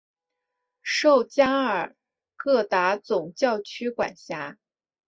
受加尔各答总教区管辖。